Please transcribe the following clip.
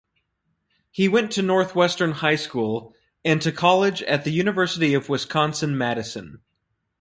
He went to Northwestern High School and to college at the University of Wisconsin–Madison.